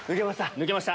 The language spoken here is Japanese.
抜けました！